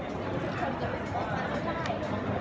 พี่แม่ที่เว้นได้รับความรู้สึกมากกว่า